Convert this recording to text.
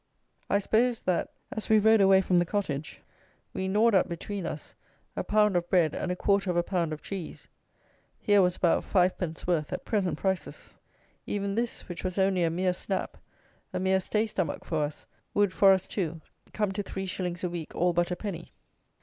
I suppose that, as we rode away from the cottage, we gnawed up, between us, a pound of bread and a quarter of a pound of cheese. Here was about fivepence worth at present prices. Even this, which was only a mere snap, a mere stay stomach, for us, would, for us two, come to 3_s._ a week all but a penny.